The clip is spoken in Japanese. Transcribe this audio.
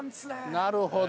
なるほど。